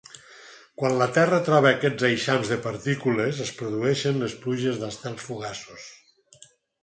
Quan la Terra troba aquests eixams de partícules es produeixen les pluges d'estels fugaços.